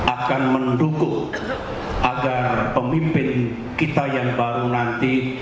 akan mendukung agar pemimpin kita yang baru nanti